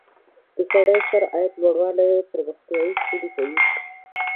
د سړي سر عاید لوړوالی پرمختیا شونې کوي.